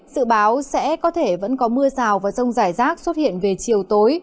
sự báo sẽ có thể vẫn có mưa rào và rông rải rác xuất hiện về chiều tối